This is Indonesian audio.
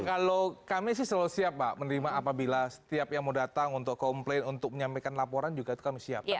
kalau kami sih selalu siap pak menerima apabila setiap yang mau datang untuk komplain untuk menyampaikan laporan juga itu kami siapkan